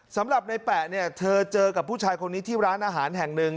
สำหรับในแปะเนี่ยเธอเจอกับผู้ชายคนนี้ที่ร้านอาหารแห่งหนึ่ง